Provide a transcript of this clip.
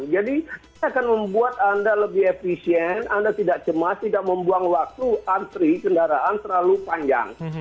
jadi itu akan membuat anda lebih efisien anda tidak cemas tidak membuang waktu antri kendaraan yang terlalu panjang